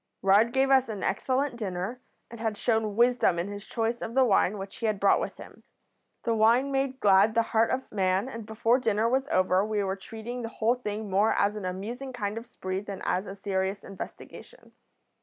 "Rudd gave us an excellent dinner, and had shown wisdom in his choice of the wine which he had brought with him. The wine made glad the heart of man, and before dinner was over we were treating the whole thing more as an amusing kind of spree than as a serious investigation.